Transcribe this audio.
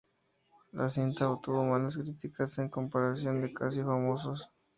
La cinta obtuvo malas críticas en comparación de "Casi famosos".